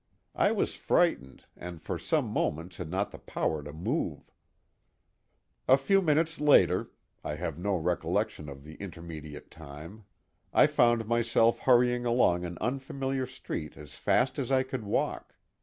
I was frightened and for some moments had not the power to move. A few minutes later—I have no recollection of the intermediate time—I found myself hurrying along an unfamiliar street as fast as I could walk.